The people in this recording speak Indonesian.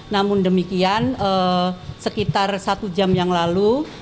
namun demikian sekitar satu jam yang lalu